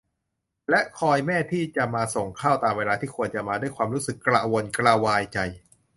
รอคอยแม่ที่จะมาส่งข้าวตามเวลาที่ควรจะมา ด้วยความรู้สึกกระวนกระวายใจ